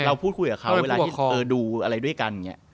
เราพูดคุยกับเขาเวลาที่ดูอะไรด้วยกันอย่างนี้